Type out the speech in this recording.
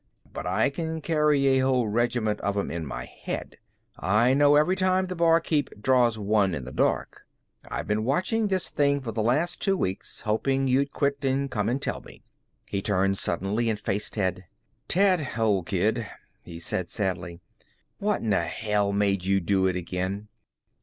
But I can carry a whole regiment of 'em in my head. I know every time the barkeeper draws one in the dark. I've been watchin' this thing for the last two weeks hopin' you'd quit and come and tell me." He turned suddenly and faced Ted. "Ted, old kid," he said sadly, "what'n'ell made you do it again?"